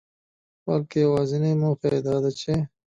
بلکي يوازنۍ موخه يې داده چي